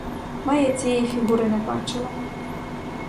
Майя цієї фігури не бачила.